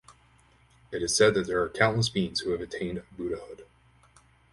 It is said that there are countless beings who have attained buddhahood.